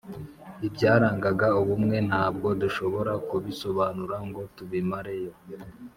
Ibyarangaga ubumwe Ntabwo dushobora kubisobanura ngo tubimare yo